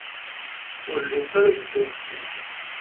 Ur llint ara beddunt zik.